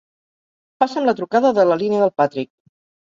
Passa'm la trucada de la línia del Patrick!